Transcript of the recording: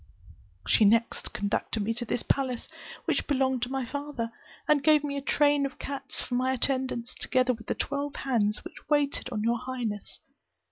She next conducted me to this palace, which belonged to my father, and gave me a train of cats for my attendants, together with the twelve hands which waited on your highness.